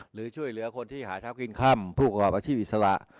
หรือช่วยเหลือคนที่หาเช้ากินค่ำผู้ประกอบอาชีพอิสระ